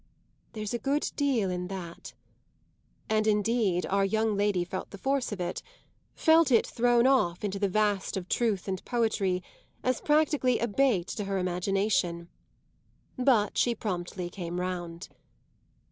"There's a good deal in that;" and indeed our young lady felt the force of it felt it thrown off, into the vast of truth and poetry, as practically a bait to her imagination. But she promptly came round.